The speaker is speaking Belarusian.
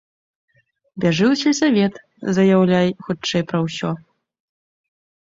Бяжы ў сельсавет, заяўляй хутчэй пра ўсё.